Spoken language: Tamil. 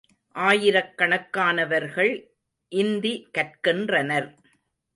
ஆயிரக்கணக்கானவர்கள் இந்தி கற்கின்றனர்.